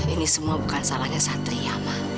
ini semua bukan salahnya satria